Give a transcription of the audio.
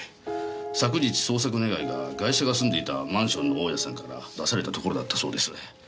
昨日捜索願がガイシャが住んでいたマンションの大家さんから出されたところだったそうです。